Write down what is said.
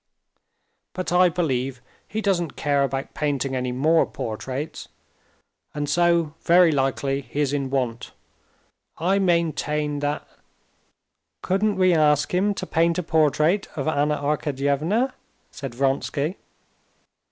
But I believe he doesn't care about painting any more portraits, and so very likely he is in want. I maintain that...." "Couldn't we ask him to paint a portrait of Anna Arkadyevna?" said Vronsky.